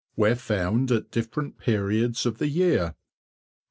Where found at different periods of the year_?